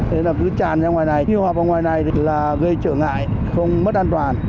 thế là cứ tràn ra ngoài này như họp ở ngoài này là gây trở ngại không mất an toàn